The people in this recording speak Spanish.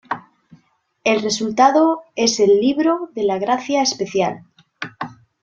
El resultado es el "Libro de la Gracia Especial".